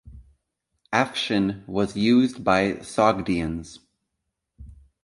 Afshin was used by Sogdians.